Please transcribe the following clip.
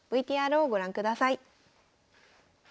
ＶＴＲをご覧ください。